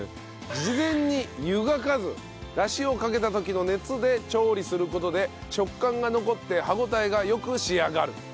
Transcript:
事前に湯がかずダシをかけた時の熱で調理する事で食感が残って歯応えが良く仕上がる。